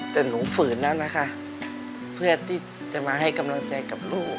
แต่หนูฝืนแล้วนะคะเพื่อที่จะมาให้กำลังใจกับลูก